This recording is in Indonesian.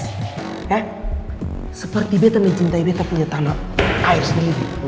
eh seperti betta mencintai betta punya tanah air sendiri